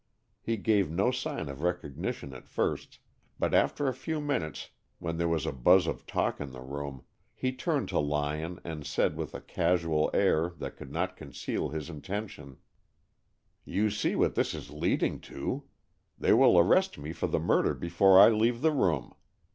He gave no sign of recognition at first, but after a few minutes, when there was a buzz of talk in the room, he turned to Lyon and said, with a casual air that could not conceal his intention, "You see what this is leading to. They will arrest me for the murder before I leave the room.